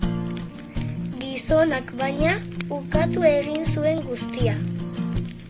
Gizonak, baina, ukatu egin zuen guztia.